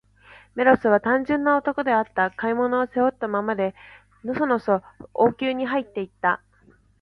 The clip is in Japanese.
メロスは、単純な男であった。買い物を、背負ったままで、のそのそ王城にはいって行った。